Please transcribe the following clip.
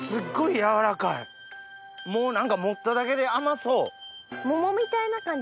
もう何か持っただけで甘そう。